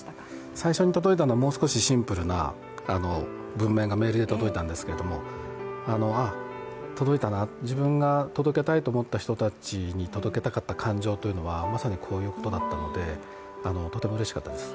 最初に届いたのはもう少しシンプルな文面がメールで届いたんですけれどもああ、届いたな、自分が届けたいと思った人たちに届けたかった感情というのはまさにこういうことだったので、本当にうれしかったです。